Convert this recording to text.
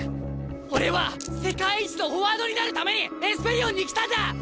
俺は世界一のフォワードになるためにエスペリオンに来たんだ！